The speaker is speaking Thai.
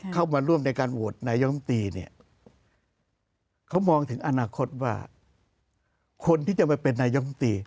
เข้ามาร่วมในการโหวตนายมตรีเนี่ยเขามองถึงอนาคตว่าคนที่จะมาเป็นนายกรรมตรี